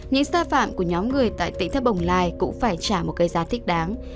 những xa phạm của nhóm người tại tỉnh thế bồng lai cũng phải trả một cây giá thích đáng